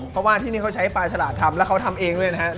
เพราะว่าที่นี่เขาใช้ปลาฉลาดทำแล้วเขาทำเองด้วยนะครับ